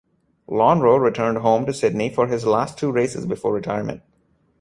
Lonhro returned home to Sydney for his last two races before retirement.